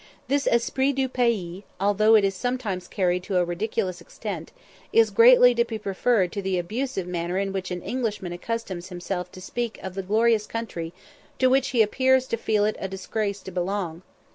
This esprit du pays, although it is sometimes carried to a ridiculous extent, is greatly to be preferred to the abusive manner in which an Englishman accustoms himself to speak of the glorious country to which he appears to feel it a disgrace to belong.